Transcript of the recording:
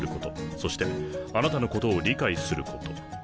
そしてあなたのことを理解すること。